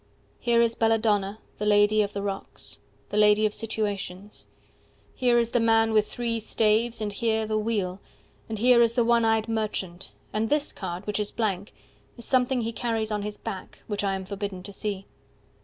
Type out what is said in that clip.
Here is Belladonna, the Lady of the Rocks, The lady of situations. 50 Here is the man with three staves, and here the Wheel, And here is the one eyed merchant, and this card, Which is blank, is something he carries on his back, Which I am forbidden to see.